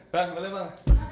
bang boleh bang